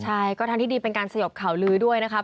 ใช่ก็ทางที่ดีเป็นการสยบข่าวลือด้วยนะครับ